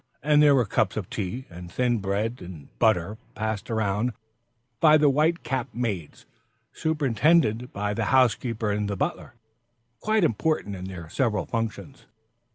And there were cups of tea, and thin bread and butter passed around by the white capped maids, superintended by the housekeeper and the butler, quite important in their several functions.